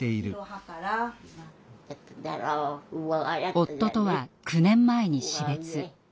夫とは９年前に死別。